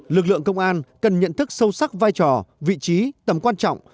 lực lượng công an cần nhận thức sâu sắc vai trò vị trí tầm quan trọng